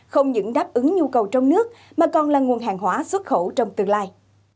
không những đáp ứng nhu cầu trong nước mà còn là nguồn hàng hóa xuất khẩu trong tương lai